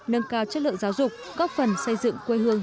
nâng cao chất lượng giáo dục góp phần xây dựng quê hương